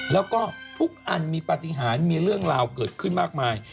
แล้วก็ทุกอันมีปฏิหารมีเรื่องราวเกิดขึ้นมากมาย